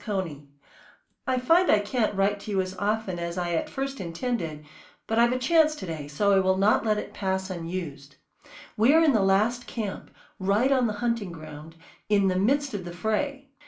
CONEY, I find I can't write to you as often as I at first intended; but I've a chance to day, so I will not let it pass unused. We are in the last camp, right on the hunting ground, in the "midst of the fray."